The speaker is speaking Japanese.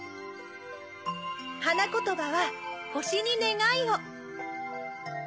はなことばは「ほしにねがいを」。